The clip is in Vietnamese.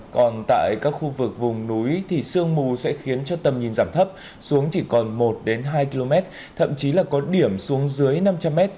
còn tại các khu vực vùng núi thì sương mù sẽ khiến cho tầm nhìn giảm thấp xuống chỉ còn một hai km thậm chí là có điểm xuống dưới năm trăm linh m